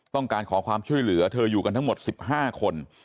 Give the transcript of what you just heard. ต้องการขอความช่วยเหลือเธออยู่กันทั้งหมด๑๕คน